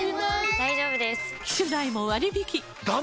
大丈夫です！